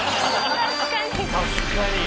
確かに！